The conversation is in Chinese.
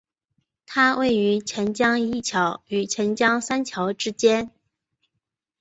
它位于钱江一桥与钱江三桥之间。